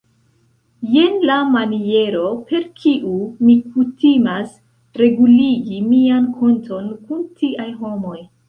Jen la maniero, per kiu mi kutimas reguligi mian konton kun tiaj homoj!